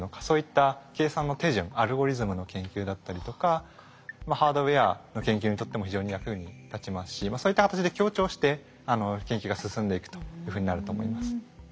そういった計算の手順アルゴリズムの研究だったりとかハードウエアの研究にとっても非常に役に立ちますしそういった形で協調して研究が進んでいくというふうになると思います。